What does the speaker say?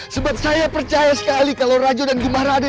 sebab saya percaya sekali kalau rajau dan gumar ada